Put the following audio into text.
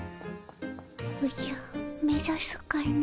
おじゃ目ざすかの。